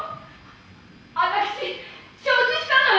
「私承知したのよ」